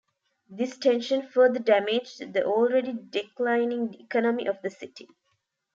This tension further damaged the already declining economy of the city.